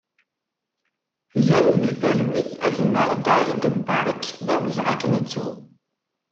Gen di talwit a gma Daïd Mbarek, d awezɣi ad k-nettu!